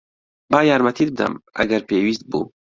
با یارمەتیت بدەم، ئەگەر پێویست بوو.